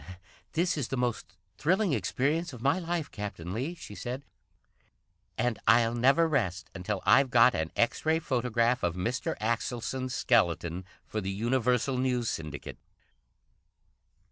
"This is the most thrilling experience of my life, Captain Lee," she said. "And I'll never rest until I've got an X Ray photograph of Mr. Axelson's skeleton for the Universal News Syndicate."